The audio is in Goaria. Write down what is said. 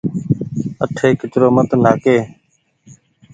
آٺي ڪچرو مت نآهآڪ۔